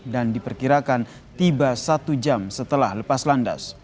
dan diperkirakan tiba satu jam setelah lepas landas